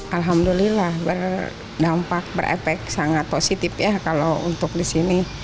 alhamdulillah berdampak berepek sangat positif ya kalau untuk di sini